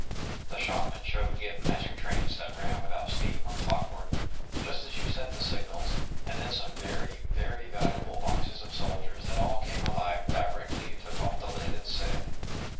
The shopman showed Gip magic trains that ran without steam or clockwork, just as you set the signals, and then some very, very valuable boxes of soldiers that all came alive directly you took off the lid and said